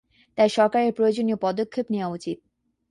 তাই সরকারের প্রয়োজনীয় পদক্ষেপ নেওয়া উচিত।